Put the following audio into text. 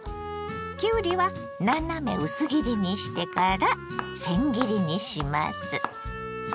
きゅうりは斜め薄切りにしてからせん切りにします。